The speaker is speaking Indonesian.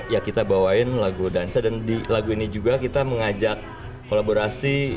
ya kita bawain lagu dansa dan di lagu ini juga kita mengajak kolaborasi